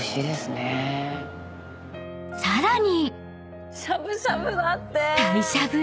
［さらに］